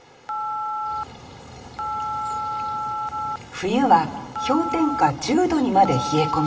冬は氷点下１０度にまで冷え込み